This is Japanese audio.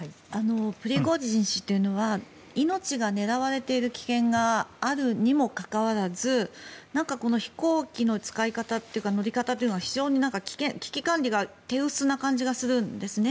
プリゴジン氏というのは命が狙われている危険があるにもかかわらず飛行機の使い方というか乗り方というのは非常に危機管理が手薄な感じがするんですね。